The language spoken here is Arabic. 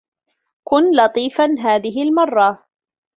كن لطيفا هذه المرّة.